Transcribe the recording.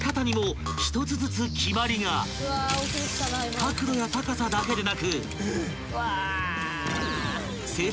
［角度や高さだけでなく］